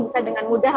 bisa dengan mudah